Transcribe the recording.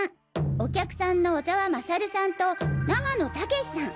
お客さんの小沢勝さんと永野剛士さん。